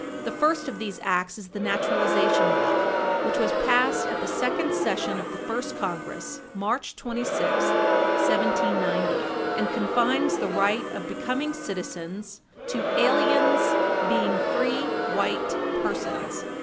The first of these acts is the naturalization law, which was passed at the second session of the first Congress, March 26, 1790, and confines the right of becoming citizens "to aliens being free white persons."